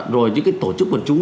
rồi những tổ chức quần chúng